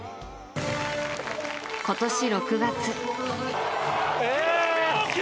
今年６月。